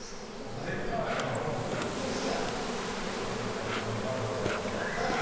何か寒いなと思いながらさ。